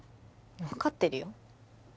分かってるよ